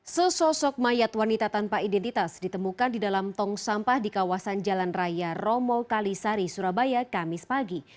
sesosok mayat wanita tanpa identitas ditemukan di dalam tong sampah di kawasan jalan raya romo kalisari surabaya kamis pagi